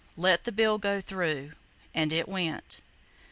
Let the bill go through!" And it went.